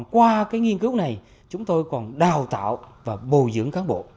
qua cái nghiên cứu này chúng tôi còn đào tạo và bồi dưỡng cán bộ